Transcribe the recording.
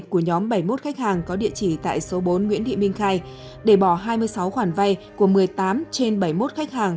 của nhóm bảy mươi một khách hàng có địa chỉ tại số bốn nguyễn thị minh khai để bỏ hai mươi sáu khoản vay của một mươi tám trên bảy mươi một khách hàng